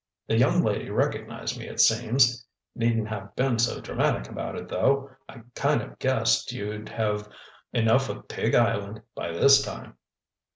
"The young lady recognized me, it seems. Needn't have been so dramatic about it, though. I kind of guessed you'd have enough of Pig Island by this time."